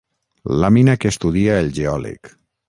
Làmina que estudia el geòleg.